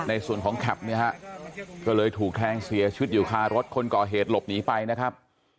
ในส่วนของแคปเนี่ยฮะก็เลยถูกแทงเสียชีวิตอยู่คารถคนก่อเหตุหลบหนีไปนะครับ